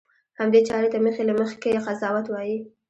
همدې چارې ته مخکې له مخکې قضاوت وایي.